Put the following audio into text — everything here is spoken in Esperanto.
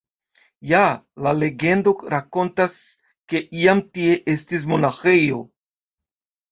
Ja, la legendo rakontas, ke iam tie estis monaĥejo.